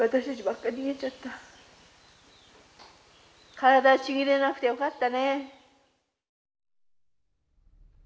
体ちぎれなくてよかったね。